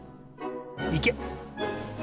いけ！